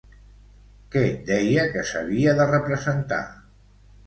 Què deia que s'havia de representar?